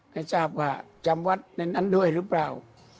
ในจาบภาคจำวัดในนั้นด้วยรึเปล่า